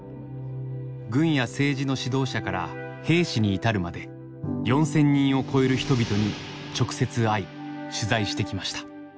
軍や政治の指導者から兵士に至るまで４，０００人を超える人々に直接会い取材してきました。